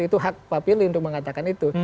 itu hak pak pilih untuk mengatakan itu